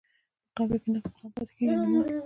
په قبر کې نه مقام پاتې کېږي نه مال.